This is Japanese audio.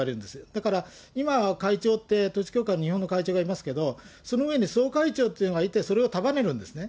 だから、今は会長って、日本の会長がいますけど、その上に総会長というのがいて、それを束ねるんですね。